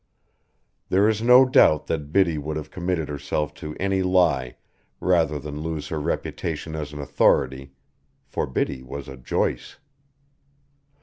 There is no doubt that Biddy would have committed herself to any lie rather than lose her reputation as an authority, for Biddy was a Joyce.